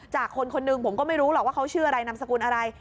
คนคนหนึ่งผมก็ไม่รู้หรอกว่าเขาชื่ออะไรนามสกุลอะไร